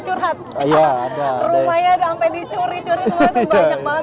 curhat rumahnya rampe dicuri curi banyak banget yang pernah menikah ya bang p gong tapi agak ngomong